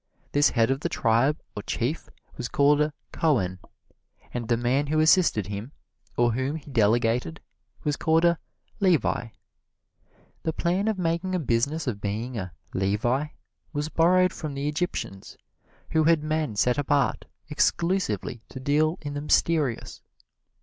This head of the tribe, or chief, was called a "Cohen"; and the man who assisted him, or whom he delegated, was called a "Levi." The plan of making a business of being a "Levi" was borrowed from the Egyptians, who had men set apart, exclusively, to deal in the mysterious.